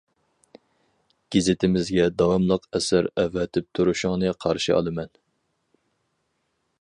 گېزىتىمىزگە داۋاملىق ئەسەر ئەۋەتىپ تۇرۇشۇڭنى قارشى ئالىمەن.